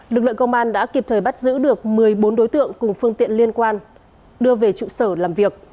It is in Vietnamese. lực lượng công an đã kịp thời bắt giữ được một mươi bốn đối tượng cùng phương tiện liên quan đưa về trụ sở làm việc